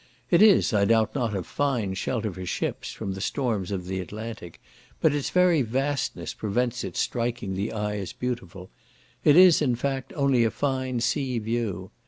It is, I doubt not, a fine shelter for ships, from the storms of the Atlantic, but its very vastness prevents its striking the eye as beautiful: it is, in fact, only a fine sea view.